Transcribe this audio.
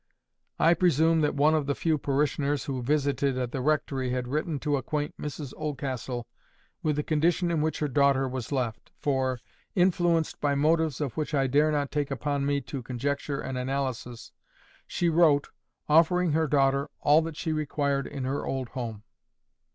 I presume that one of the few parishioners who visited at the rectory had written to acquaint Mrs Oldcastle with the condition in which her daughter was left, for, influenced by motives of which I dare not take upon me to conjecture an analysis, she wrote, offering her daughter all that she required in her old home.